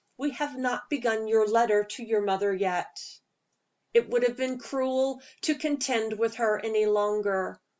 "We have not begun your letter to your mother yet." It would have been cruel to contend with her any longer.